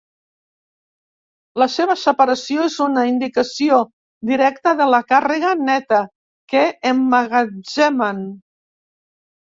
La seva separació és una indicació directa de la càrrega neta que emmagatzemen.